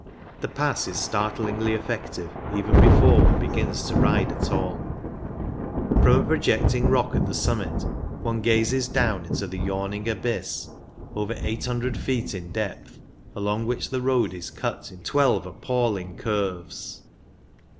The Pass is startlingly effective even before one begins to ride at all. From a projecting rock at the summit one gazes down into the yawning abyss, over 800 89 Y 90 CYCLING IN THE ALPS feet in depth, along which the road is cut in twelve appalling curves.